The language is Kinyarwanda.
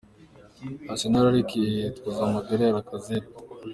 Arsenal iriko irihweza amagara ya Lacazette.